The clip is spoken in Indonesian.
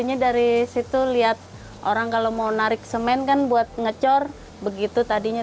biasanya dari situ lihat orang kalau mau narik semen kan buat ngecor begitu tadinya